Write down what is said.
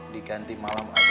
diganti malam aja